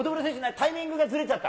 タイミングがずれちゃった？